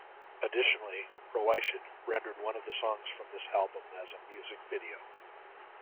Additionally, Rowaishid rendered one of the songs from this album as a music video.